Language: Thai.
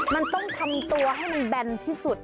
มันต้องทำตัวให้มันแบนที่สุด